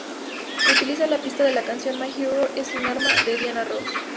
Utiliza la pista de la canción "My Hero es un arma" de Diana Ross.